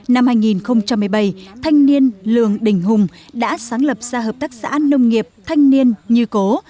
năm hai nghìn một mươi bảy thanh niên lương đình hùng đã sáng lập ra hợp tác xã nông nghiệp thanh niên như cố